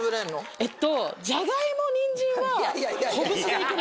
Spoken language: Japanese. えっと。